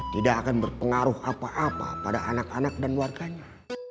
tidak akan berpengaruh apa apa pada anak anak dan warganya